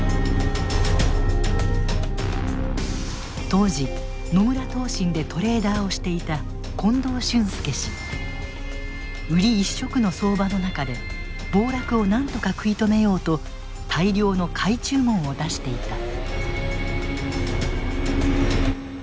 当時野村投信でトレーダーをしていた売り一色の相場の中で暴落をなんとか食い止めようと大量の買い注文を出していた。